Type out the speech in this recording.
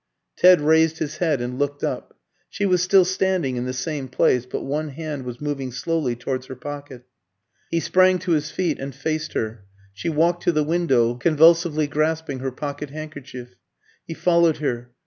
Ted raised his head and looked up. She was still standing in the same place, but one hand was moving slowly towards her pocket. He sprang to his feet and faced her. She walked to the window, convulsively grasping her pocket handkerchief. He followed her.